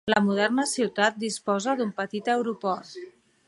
La moderna ciutat disposa d'un petit aeroport.